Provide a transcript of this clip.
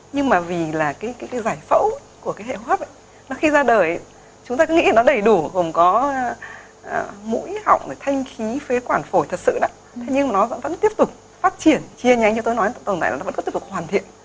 nhưng mà vì là cái giải phẫu của cái hệ hốp ấy nó khi ra đời chúng ta cứ nghĩ nó đầy đủ gồm có mũi họng thanh khí phế quản phổi thật sự đó thế nhưng mà nó vẫn tiếp tục phát triển chia nhanh như tôi nói tầm tầm lại là nó vẫn tiếp tục hoàn thiện